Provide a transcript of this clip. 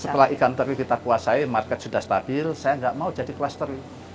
setelah ikan teri kita puasai market sudah stabil saya tidak mau jadi kelola seri